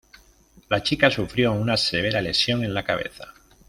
La chica sufrió una severa lesión en la cabeza.